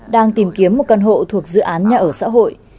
đang tìm kiếm một căn hộ thuộc dự án nhà ở xã hội